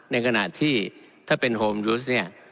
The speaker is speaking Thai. ในขณะที่ถ้าเป็นโฮมยูสเนี่ย